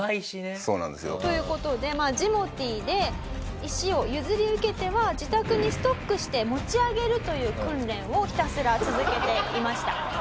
そうなんですよ。という事でジモティーで石を譲り受けては自宅にストックして持ち上げるという訓練をひたすら続けていました。